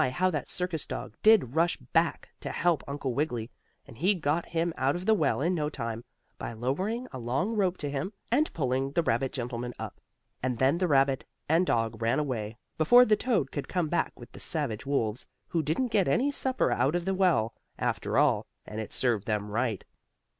how that circus dog did rush back to help Uncle Wiggily. And he got him out of the well in no time, by lowering a long rope to him, and pulling the rabbit gentleman up, and then the rabbit and dog ran away, before the toad could come back with the savage wolves, who didn't get any supper out of the well, after all, and it served them right.